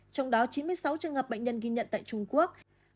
trong đó chín mươi sáu trường hợp bệnh nhân ghi nhận tại trung quốc